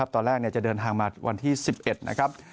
ตอนแรกจะเดินทางมาวันที่๑๑นะครับ